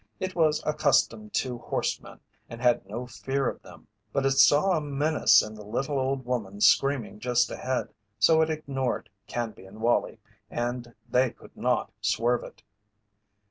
It was accustomed to horsemen and had no fear of them, but it saw a menace in the little old woman screaming just ahead, so it ignored Canby and Wallie, and they could not swerve it.